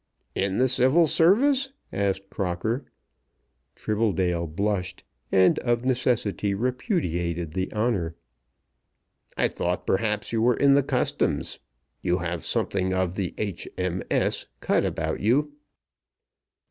"In the Civil Service?" asked Crocker. Tribbledale blushed, and of necessity repudiated the honour. "I thought, perhaps, you were in the Customs. You have something of the H.M.S. cut about you."